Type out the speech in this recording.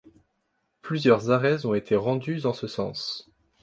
Plusieurs arrêts ont été rendus en ce sens.